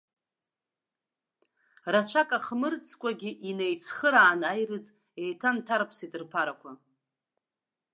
Рацәак ахмырҵкәагьы инеицхыраан аирыӡ еиҭанҭарԥсеит рԥарақәа.